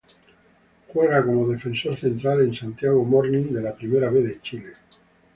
Juega como defensor central en Santiago Morning de la Primera B de Chile.